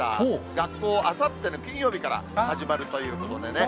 学校、あさっての金曜日から始まるということでね。